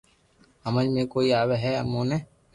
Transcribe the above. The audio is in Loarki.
ھمج ۾ ڪوئي آوي ھي اموني